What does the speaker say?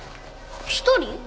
１人？